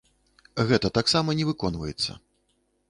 Гэта таксама не выконваецца.